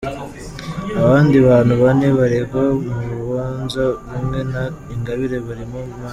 Abandi bantu bane baregwa mu rubanza rumwe na Ingabire barimo Maj.